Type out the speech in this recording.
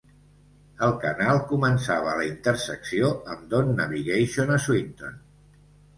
El canal començava a la intersecció amb Don Navigation a Swinton.